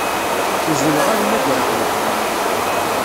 Uzzleɣ ad mmagreɣ yemma.